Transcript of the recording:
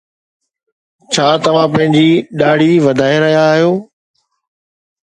ڇا توهان پنهنجي ڏاڙهي وڌائي رهيا آهيو؟